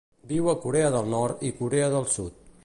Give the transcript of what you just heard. Viu a Corea del Nord i Corea del Sud.